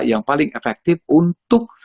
yang paling efektif untuk